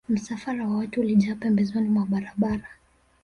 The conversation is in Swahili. Msafara wa watu ulijaa pembezoni mwa barabara